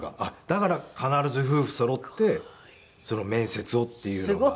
だから必ず夫婦そろって面接をっていうのが。